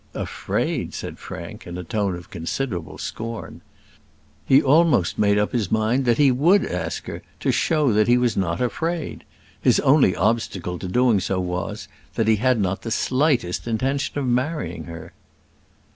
"Afraid!" said Frank, in a tone of considerable scorn. He almost made up his mind that he would ask her to show that he was not afraid. His only obstacle to doing so was, that he had not the slightest intention of marrying her.